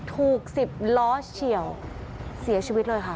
ถูก๑๐ล้อเฉียวเสียชีวิตเลยค่ะ